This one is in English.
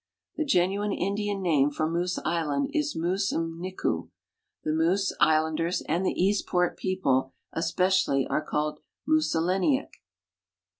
The genuine In<lian name for Moose island is Mus m'niku. The Moose islanders (and the Eastport people especially) are called Museleniek.